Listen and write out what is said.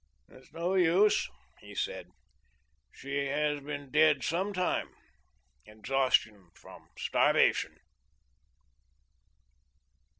"It's no use," he said; "she has been dead some time exhaustion from starvation."